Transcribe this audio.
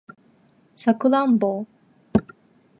サクランボ